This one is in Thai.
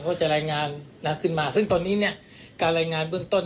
ก็จะรายงานขึ้นมาซึ่งตอนนี้เนี่ยการรายงานเบื้องต้น